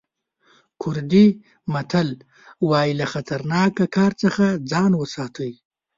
کوردي متل وایي له خطرناکه کار څخه ځان وساتئ.